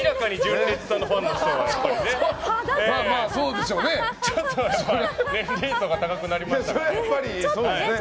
年齢層が高くなりましたからね。